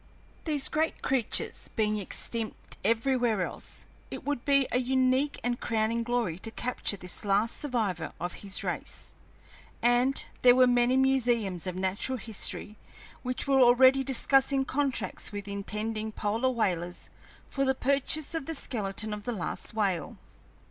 These great creatures being extinct everywhere else, it would be a unique and crowning glory to capture this last survivor of his race; and there were many museums of natural history which were already discussing contracts with intending polar whalers for the purchase of the skeleton of the last whale.